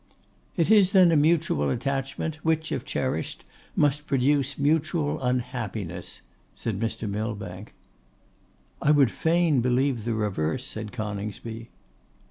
'It is then a mutual attachment, which, if cherished, must produce mutual unhappiness,' said Mr. Millbank. 'I would fain believe the reverse,' said Coningsby.